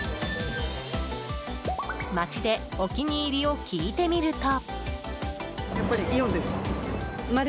街でお気に入りを聞いてみると。